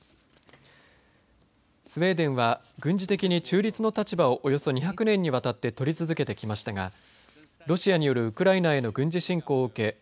スウェーデンは軍事的に中立の立場をおよそ２００年にわたってとり続けてきましたがロシアによるウクライナへの軍事侵攻を受け